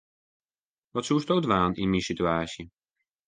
Wat soesto dwaan yn myn situaasje?